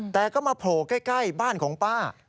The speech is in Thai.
แต่ก็มาโผล่ใกล้บ้านของป้า